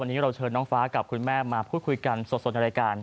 วันนี้เราเชิญน้องฟ้ากับคุณแม่มาพูดคุยกันสดในรายการ